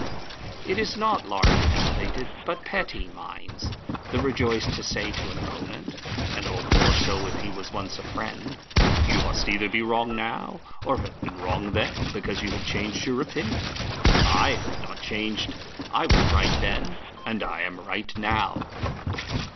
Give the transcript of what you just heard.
It is not large and elevated, but petty, minds that rejoice to say to an opponent (and all the more so if he was once a friend), "You must either be wrong now, or have been wrong then, because you have changed your opinion. I have not changed; I was right then, and I am right now."